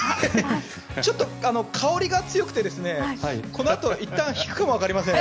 ちょっと香りが強くてこのあといったん引くかもわかりません。